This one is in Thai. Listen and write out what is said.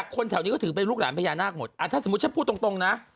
เขามาหา